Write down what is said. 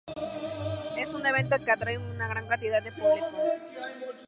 Es un evento que atrae a gran cantidad de público.